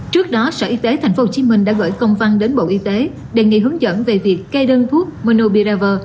trước đó sở y tế tp hcm đã gửi công văn đến bộ y tế đề nghị hướng dẫn về việc cây đơn thuốc menobiraver